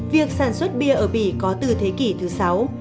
việc sản xuất bia ở bỉ có từ thế kỷ thứ sáu